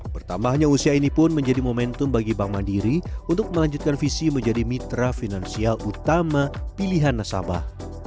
bertambahnya usia ini pun menjadi momentum bagi bank mandiri untuk melanjutkan visi menjadi mitra finansial utama pilihan nasabah